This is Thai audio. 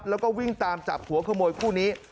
แล้วก็วิ่งตามจับหัวขโมยคู่นี้